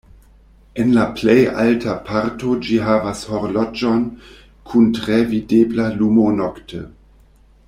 En la plej alta parto ĝi havas horloĝon kun tre videbla lumo nokte.